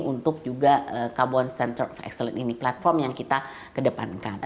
untuk juga carbon center of excellent ini platform yang kita kedepankan